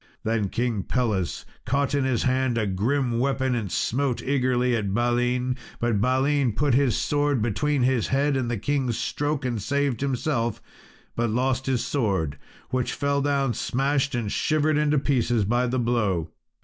Then King Pelles caught in his hand a grim weapon and smote eagerly at Balin, but Balin put his sword between his head and the king's stroke, and saved himself but lost his sword, which fell down smashed and shivered into pieces by the blow.